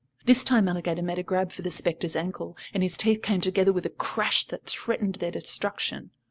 This time Alligator made a grab for the spectre's ankle, and his teeth came together with a crash that threatened their destruction.